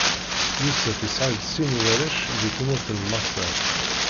Yusef isɛa-d sin n warrac di tmurt n Maṣer.